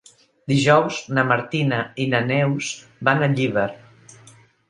Dijous na Martina i na Neus van a Llíber.